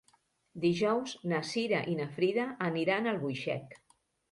Dijous na Cira i na Frida aniran a Albuixec.